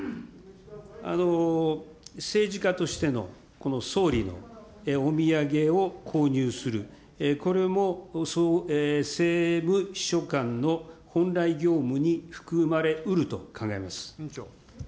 政治家としてのこの総理のお土産を購入する、これも政務秘書官の本来業務に含まれうると考えます。